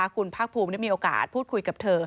คุณภาคภูมิได้มีโอกาสพูดคุยกับเธอ